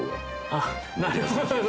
あなるほど。